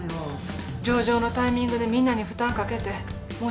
上場のタイミングでみんなに負担かけて申し訳なかった。